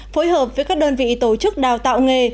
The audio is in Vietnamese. phối hợp với các đơn vị tổ chức đào tạo nghề